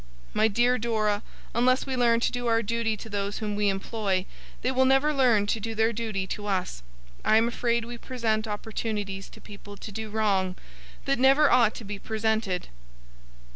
My dear Dora, unless we learn to do our duty to those whom we employ, they will never learn to do their duty to us. I am afraid we present opportunities to people to do wrong, that never ought to be presented.